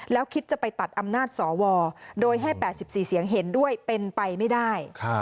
แล้วคิดจะไปตัดอำนาจสวโดยให้๘๔เสียงเห็นด้วยเป็นไปไม่ได้